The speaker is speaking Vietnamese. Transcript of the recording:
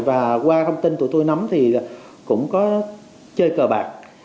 và qua thông tin tụi tôi nắm thì cũng có chơi cờ bạc